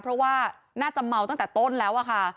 เพราะว่าน่าจะเมาตั้งแต่ต้นแล้วอะค่ะ